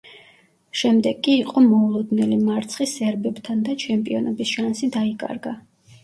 შემდეგ კი იყო მოულოდნელი მარცხი სერბებთან და ჩემპიონობის შანსი დაიკარგა.